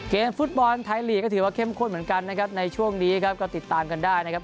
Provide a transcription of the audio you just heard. ฟุตบอลไทยลีกก็ถือว่าเข้มข้นเหมือนกันนะครับในช่วงนี้ครับก็ติดตามกันได้นะครับ